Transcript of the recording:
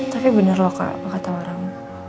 tapi bener loh kak apa kata orang